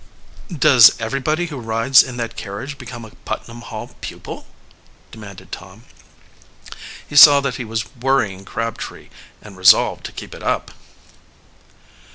"Does everybody who rides in that carriage become a Putnam Hall pupil?" demanded Tom. He saw that he was worrying Crabtree, and resolved to keep it up.